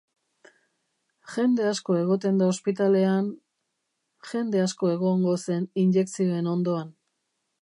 Jende asko egoten da ospitalean... jende asko egongo zen injekzioen ondoan.